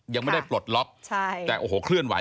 ยังไม่ได้ปลดล็อกใช่แต่โอ้โหเคลื่อนไห